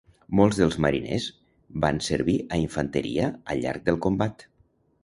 Molts dels mariners van servir a infanteria al llarg del combat.